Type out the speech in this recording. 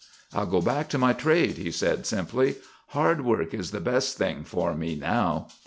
"I'll go back to my trade," he said, simply. "Hard work is the best thing for me now."